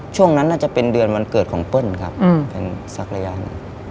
ช่วงนั้นน่าจะเป็นเดือนวันเกิดของเปิ้ลครับเป็นสักระยะหนึ่ง